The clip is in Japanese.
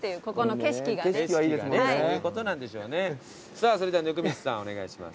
さぁそれでは温水さんお願いします。